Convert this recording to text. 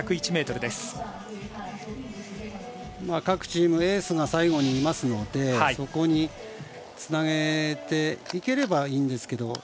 各チームエースが最後にいますのでそこにつなげていければいいんですけど。